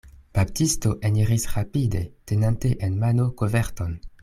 Baptisto eniris rapide, tenante en mano koverton.